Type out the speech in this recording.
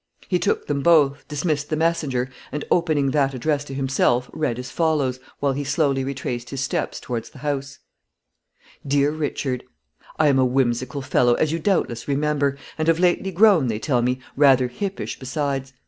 He took them both, dismissed the messenger, and opening that addressed to himself, read as follows, while he slowly retraced his steps towards the house: Dear Richard, I am a whimsical fellow, as you doubtless remember, and have lately grown, they tell me, rather hippish besides.